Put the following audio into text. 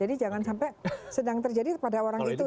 jadi jangan sampai sedang terjadi pada orang itu